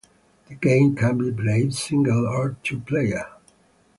The game can be played single or two player.